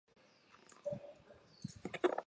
非营利性质的啤酒酿造一般称为家庭酿造。